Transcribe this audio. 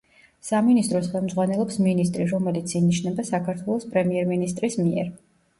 სამინისტროს ხელმძღვანელობს მინისტრი, რომელიც ინიშნება საქართველოს პრემიერ-მინისტრის მიერ.